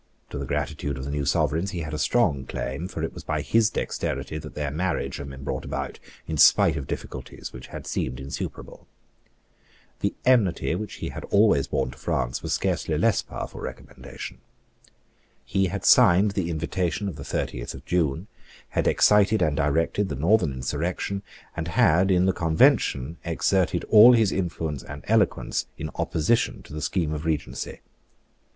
To the gratitude of the new Sovereigns he had a strong claim; for it was by his dexterity that their marriage had been brought about in spite of difficulties which had seemed insuperable. The enmity which he had always borne to France was a scarcely less powerful recommendation. He had signed the invitation of the thirtieth of June, had excited and directed the northern insurrection, and had, in the Convention, exerted all his influence and eloquence in opposition to the scheme of Regency.